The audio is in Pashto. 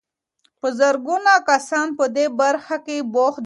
په زرګونه کسان په دې برخه کې بوخت دي.